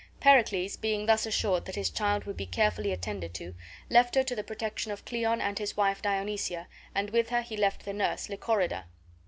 Pericles, being thus assured that his child would be carefully attended to, left her to the protection of Cleon and his wife Dionysia, and with her he left the nurse, Lychorida.